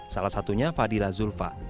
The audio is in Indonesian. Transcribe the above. salah satunya fadilah zulfa